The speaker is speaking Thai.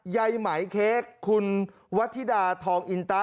ไยไหมเค้คคุณวัฒนาทีราทองอินตะ